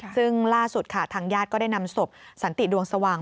ซึ่งล่าสุดค่ะทางญาติก็ได้นำศพสันติดวงสว่าง